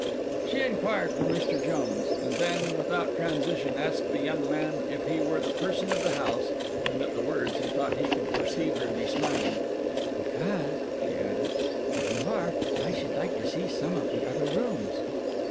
She inquired for Mr. Jones; and then, without transition, asked the young man if he were the person of the house (and at the words, he thought he could perceive her to be smiling), 'because,' she added, 'if you are, I should like to see some of the other rooms.